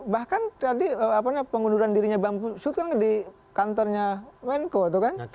bahkan tadi pengunduran dirinya mbak susatyo kan di kantornya wenko itu kan